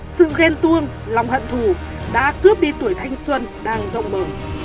sự ghen tuôn lòng hận thù đã cướp đi tuổi thanh xuân đang rộng mở